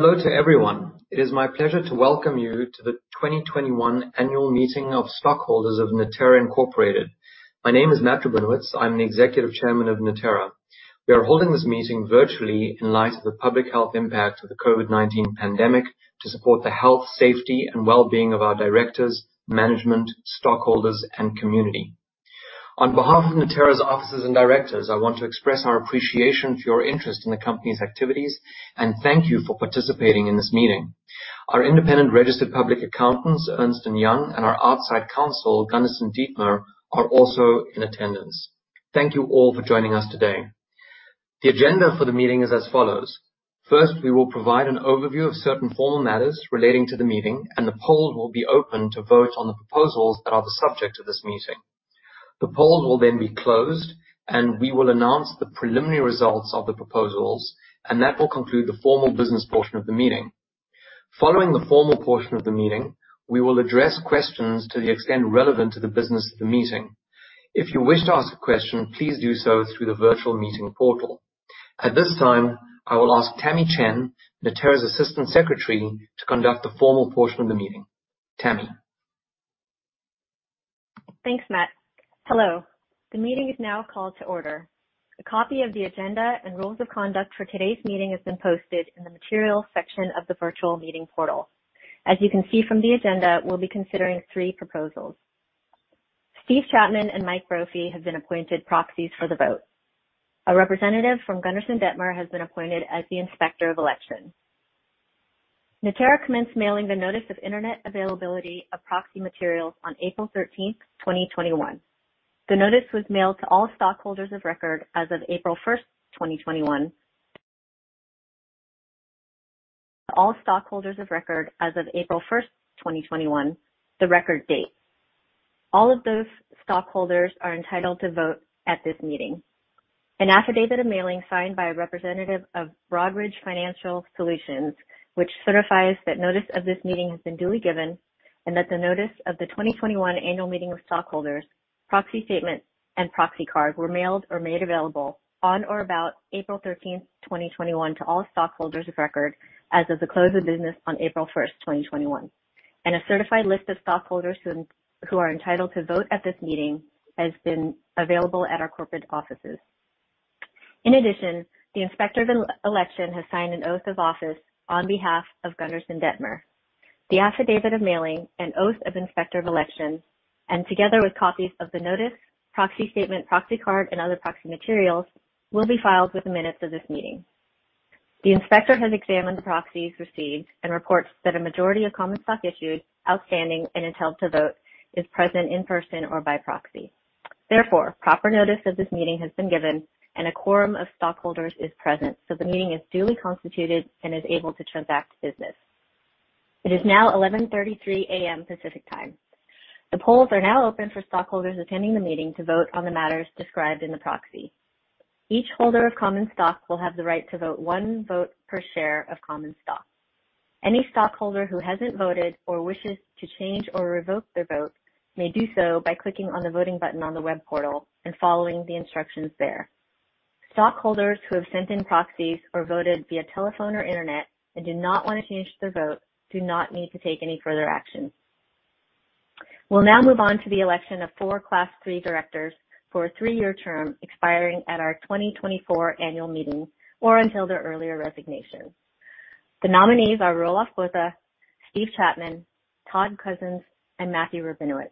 Hello to everyone. It is my pleasure to welcome you to the 2021 Annual Meeting of Stockholders of Natera, Inc. My name is Matthew Rabinowitz. I'm the Executive Chairman of Natera. We are holding this meeting virtually in light of the public health impacts of the COVID-19 pandemic to support the health, safety, and wellbeing of our directors, management, stockholders, and community. On behalf of Natera's officers and directors, I want to express our appreciation for your interest in the company's activities and thank you for participating in this meeting. Our independent registered public accountants, Ernst & Young, and our outside counsel, Gunderson Dettmer, are also in attendance. Thank you all for joining us today. The agenda for the meeting is as follows. First, we will provide an overview of certain formal matters relating to the meeting, and the poll will be open to vote on the proposals that are the subject of this meeting. The poll will then be closed, and we will announce the preliminary results of the proposals, and that will conclude the formal business portion of the meeting. Following the formal portion of the meeting, we will address questions to the extent relevant to the business of the meeting. If you wish to ask a question, please do so through the virtual meeting portal. At this time, I will ask Tami Chen, Natera's Assistant Secretary, to conduct the formal portion of the meeting. Tami. Thanks, Matt. Hello. The meeting is now called to order. A copy of the agenda and rules of conduct for today's meeting has been posted in the materials section of the virtual meeting portal. As you can see from the agenda, we'll be considering three proposals. Steve Chapman and Mike Brophy have been appointed proxies for the vote. A representative from Gunderson Dettmer has been appointed as the Inspector of Election. Natera commenced mailing the notice of internet availability of proxy materials on April 13th, 2021. The notice was mailed to all stockholders of record as of April 1st, 2021, the record date. All of those stockholders are entitled to vote at this meeting. An affidavit of mailing signed by a representative of Broadridge Financial Solutions, which certifies that notice of this meeting has been duly given and that the notice of the 2021 Annual Meeting of Stockholders, proxy statement, and proxy card were mailed or made available on or about April 13th, 2021 to all stockholders of record as of the close of business on April 1st, 2021. A certified list of stockholders who are entitled to vote at this meeting has been available at our corporate offices. In addition, the Inspector of Election has signed an oath of office on behalf of Gunderson Dettmer. The affidavit of mailing and oath of Inspector of Election and together with copies of the notice, proxy statement, proxy card, and other proxy materials will be filed with the minutes of this meeting. The inspector has examined the proxies received and reports that a majority of common stock issued, outstanding, and entitled to vote is present in person or by proxy. Therefore, proper notice of this meeting has been given and a quorum of stockholders is present, so the meeting is duly constituted and is able to transact business. It is now 11:33 A.M. Pacific Time. The polls are now open for stockholders attending the meeting to vote on the matters described in the proxy. Each holder of common stock will have the right to vote one vote per share of common stock. Any stockholder who hasn't voted or wishes to change or revoke their vote may do so by clicking on the voting button on the web portal and following the instructions there. Stockholders who have sent in proxies or voted via telephone or internet and do not want to change their vote do not need to take any further action. We'll now move on to the election of four Class III directors for a three-year term expiring at our 2024 Annual Meeting or until their earlier resignation. The nominees are Roelof Botha, Steve Chapman, Todd Cozzens, and Matthew Rabinowitz.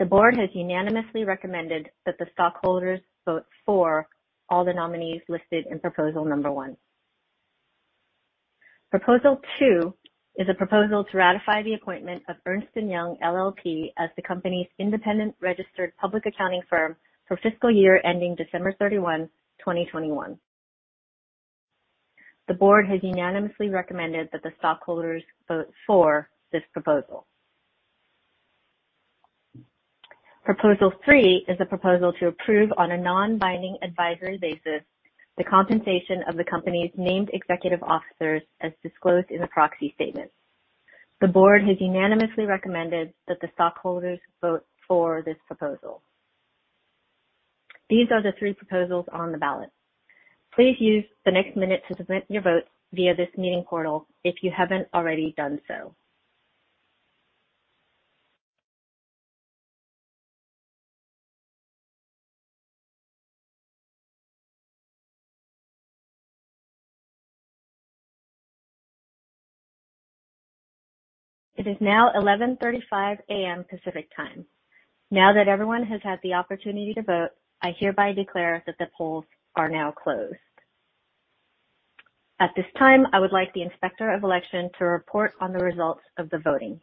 The board has unanimously recommended that the stockholders vote for all the nominees listed in proposal number one. Proposal two is a proposal to ratify the appointment of Ernst & Young LLP as the company's independent registered public accounting firm for fiscal year ending December 31, 2021. The board has unanimously recommended that the stockholders vote for this proposal. Proposal three is a proposal to approve on a non-binding advisory basis the compensation of the company's named executive officers as disclosed in the proxy statement. The board has unanimously recommended that the stockholders vote for this proposal. These are the three proposals on the ballot. Please use the next minute to submit your vote via this meeting portal if you haven't already done so. It is now 11:35 A.M. Pacific Time. Now that everyone has had the opportunity to vote, I hereby declare that the polls are now closed. At this time, I would like the Inspector of Election to report on the results of the voting.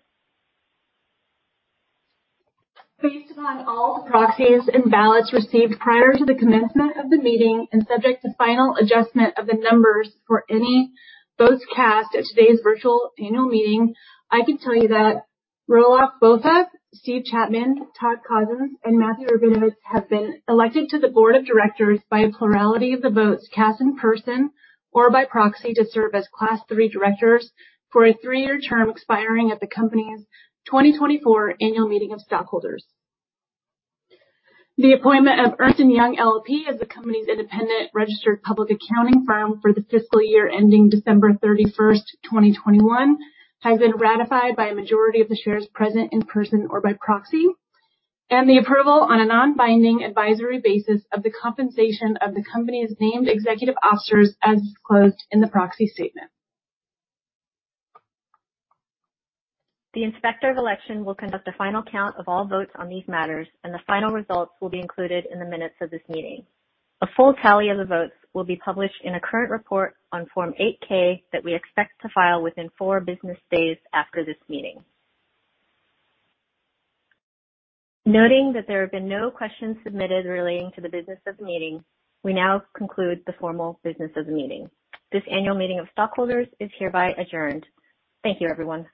Based on all proxies and ballots received prior to the commencement of the meeting and subject to final adjustment of the numbers for any votes cast at today's virtual annual meeting, I can tell you that Roelof Botha, Steve Chapman, Todd Cozzens, and Matthew Rabinowitz have been elected to the board of directors by a plurality of the votes cast in person or by proxy to serve as Class III directors for a three-year term expiring at the company's 2024 Annual Meeting of Stockholders. The appointment of Ernst & Young LLP as the company's independent registered public accounting firm for the fiscal year ending December 31st, 2021, has been ratified by a majority of the shares present in person or by proxy, and the approval on a non-binding advisory basis of the compensation of the company's named executive officers as disclosed in the proxy statement. The Inspector of Election will conduct a final count of all votes on these matters and the final results will be included in the minutes of this meeting. A full tally of the votes will be published in a current report on Form 8-K that we expect to file within four business days after this meeting. Noting that there have been no questions submitted relating to the business of the meeting, we now conclude the formal business of the meeting. This Annual Meeting of Stockholders is hereby adjourned. Thank you, everyone.